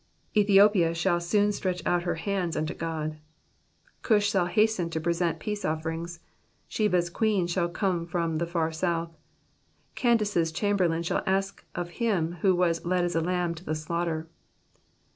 ^'■Ethiopia shall soon stretch out her hands unto God.'''' Gush shall hasten to present peace offerings. Sheba's queen shall come from the far south. Candace's chamber lain shall ask of Him who was led as a Iamb to the slaughter.